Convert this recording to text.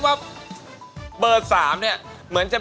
วันที่เธอพบมันใจฉัน